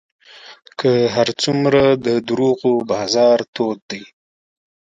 که هر څومره د دروغو بازار تود دی